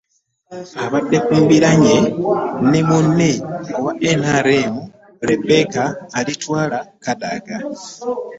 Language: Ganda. Abadde ku mbiranye ne munne owa NRM, Rebecca Alitwala Kadaga